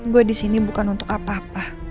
gue di sini bukan untuk apa apa